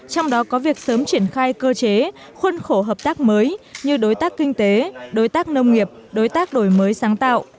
trong đó có việc sớm triển khai cơ chế khuân khổ hợp tác mới như đối tác kinh tế đối tác nông nghiệp đối tác đổi mới sáng tạo